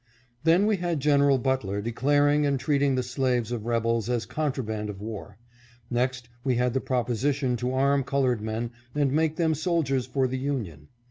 Then we had General Butler declaring and treating the slaves of rebels as contraband of war ; next we had the proposi tion to arm colored men and make them soldiers for the Union.